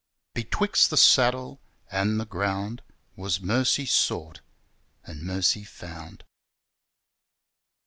Betwixt the saddle and the ground Was Mercy sought and Mercy found.